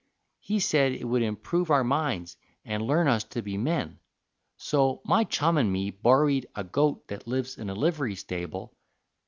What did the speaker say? He said it would improve our minds and learn us to be men. So my chum and me borried a goat that lives in a livery stable.